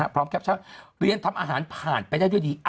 แคปชั่นเรียนทำอาหารผ่านไปได้ด้วยดี